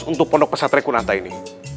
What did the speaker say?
untuk pondok pesat rekunanta ini